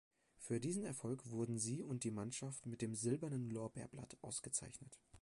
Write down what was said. Für diesen Erfolg wurden sie und die Mannschaft mit dem Silbernen Lorbeerblatt ausgezeichnet.